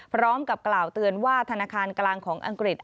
พร้อมกับกล่าวเตือนว่าธนาคารกลางของอังกฤษ